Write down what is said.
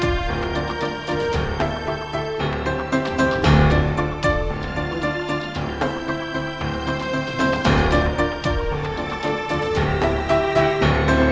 eh jauh jangan turun